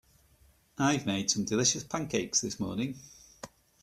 I've made some delicious pancakes this morning.